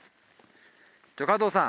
加藤さん。